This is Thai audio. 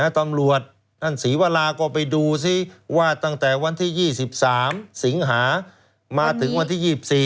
ตำรวจท่านศรีวราก็ไปดูซิว่าตั้งแต่วันที่๒๓สิงหามาถึงวันที่๒๔